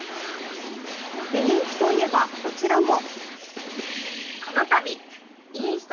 人気といえば、こちらも。